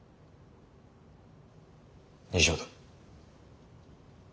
以上だ。